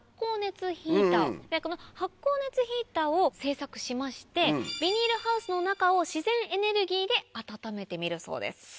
この発酵熱ヒーターを製作しましてビニールハウスの中を自然エネルギーで暖めてみるそうです。